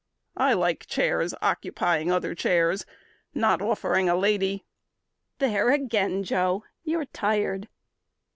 I like chairs occupying other chairs Not offering a lady " "There again, Joe! _You're tired.